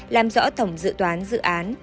làm rõ thổng dự toán dự án